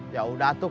ya udah tuh